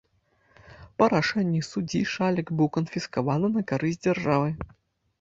Па рашэнні суддзі шалік быў канфіскаваны на карысць дзяржавы.